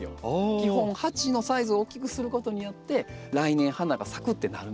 基本鉢のサイズを大きくすることによって来年花が咲くってなるので。